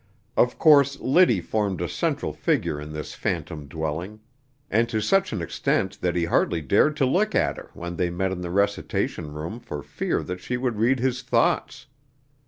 Of course Liddy formed a central figure in this phantom dwelling, and to such an extent that he hardly dared to look at her when they met in the recitation room for fear she would read his thoughts.